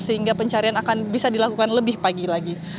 sehingga pencarian akan bisa dilakukan lebih pagi lagi